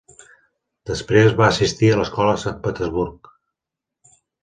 Després va assistir a l'escola a Sant Petersburg.